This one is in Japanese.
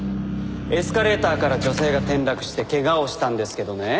エスカレーターから女性が転落して怪我をしたんですけどね。